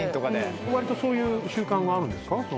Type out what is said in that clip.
わりとそういう習慣があるんですか？